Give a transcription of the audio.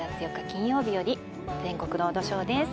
金曜日より全国ロードショーです